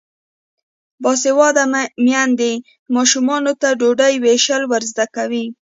باسواده میندې ماشومانو ته ډوډۍ ویشل ور زده کوي.